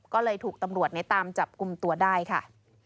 ก็เลยถูกตำรวจในตามจับกลุ่มตัวได้ค่ะ